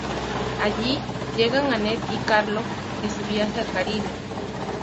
Allí, llegan Annette y Carlo de su viaje al Caribe.